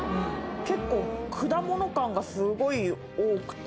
結構果物感がすごい多くておいしい。